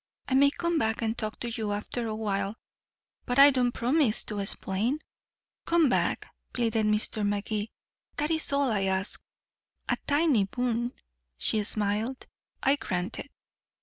I may come back and talk to you after a while, but I don't promise to explain." "Come back," pleaded Mr. Magee. "That is all I ask." "A tiny boon," she smiled. "I grant it."